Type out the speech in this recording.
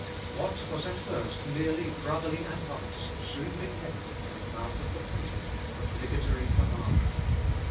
What was at first mere brotherly advice soon became, in the mouth of the Pontiff, obligatory command.